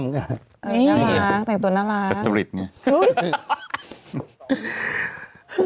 น่ารักแต่งตัวน่ารัก